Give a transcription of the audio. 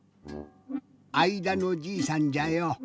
あいだのじいさんじゃよ。